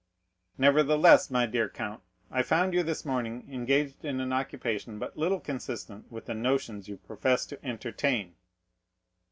"Nevertheless, my dear count, I found you this morning engaged in an occupation but little consistent with the notions you profess to entertain."